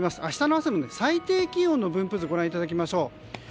明日の朝の最低気温の分布図をご覧いただきましょう。